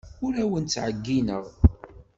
Ur awen-ttɛeyyineɣ.